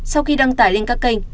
sau khi đăng tải lên các kênh